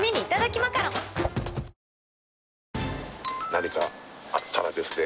何かあったらですね